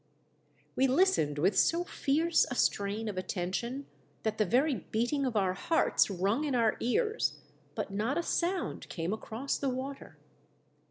We listened with so fierce a strain of atten tion that the very beating of our hearts rung in our ears, but not a sound came across the water.